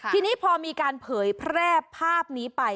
ทีนี้พอมีการเผยแพร่ภาพนี้ไป